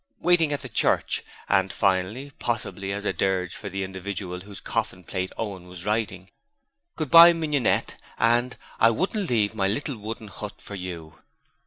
'Waiting at the Church' and finally possibly as a dirge for the individual whose coffin plate Owen was writing 'Goodbye, Mignonette' and 'I wouldn't leave my little wooden hut for you'.